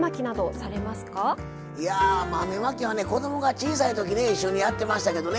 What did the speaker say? いや豆まきはね子供が小さい時ね一緒にやってましたけどね。